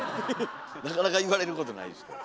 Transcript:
なかなか言われることないですけど。